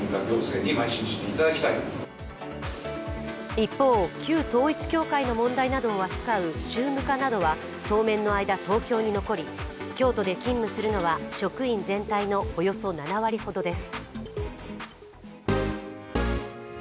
一方、旧統一教会の問題などを扱う宗務課などは当面の間、東京に残り、京都で勤務するのは職員全体のおよそ７割ほどです。